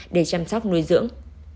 để chăm sóc nuôi dưỡng